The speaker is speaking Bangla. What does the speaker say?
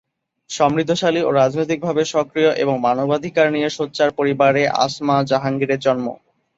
সমৃদ্ধশালী ও রাজনৈতিকভাবে সক্রিয় এবং মানবাধিকার নিয়ে সোচ্চার পরিবারে আসমা জাহাঙ্গীরের জন্ম।